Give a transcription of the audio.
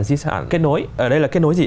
di sản kết nối ở đây là kết nối gì